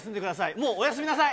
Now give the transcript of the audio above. もうおやすみなさい。